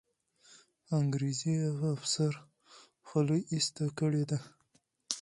انګریزي افسر خولۍ ایسته کړې ده.